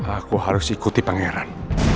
aku harus ikuti pangeran